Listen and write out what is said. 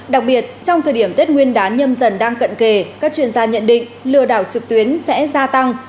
đặc biệt trong thời điểm tết nguyên đán nhâm dần đang cận kề các chuyên gia nhận định lừa đảo trực tuyến sẽ gia tăng